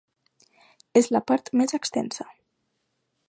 És la part més extensa.